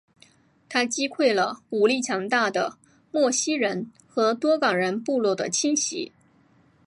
他击溃了武力强大的莫西人和多冈人部落的侵袭。